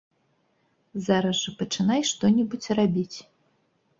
Зараз жа пачынай што-небудзь рабіць.